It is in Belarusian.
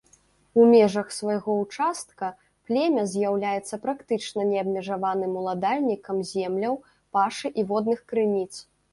У межах свайго ўчастка племя з'яўляецца практычна неабмежаваным уладальнікам земляў, пашы і водных крыніц.